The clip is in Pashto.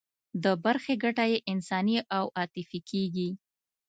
د برخې ګټه یې انساني او عاطفي کېږي.